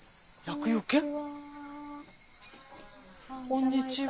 こんにちは。